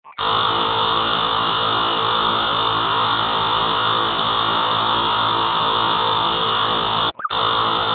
Ziara yake inajiri wiki mbili baada ya shirika la Haki ya binadamu kutoa ripoti ikisema kuwa serikali inatumia vituo vya siri vinavyojulikana kama nyumba salama